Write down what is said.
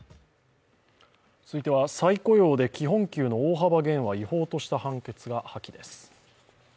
続いては再雇用で基本給の大幅減は違法とした判決が破棄です。